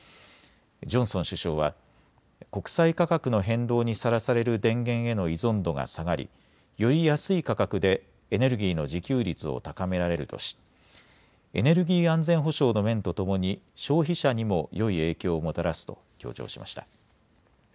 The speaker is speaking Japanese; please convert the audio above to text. ジョンソン首相は国際価格の変動にさらされる電源への依存度が下がりより安い価格でエネルギーの自給率を高められるとしエネルギー安全保障の面とともに消費者にもよい影響をもたらすと強調しました。